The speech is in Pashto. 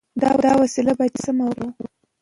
دا وسیله باید سمه وکاروو.